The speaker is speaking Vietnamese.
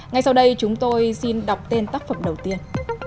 ngay sau đây chúng tôi xin đọc tên tác phẩm đầu tiên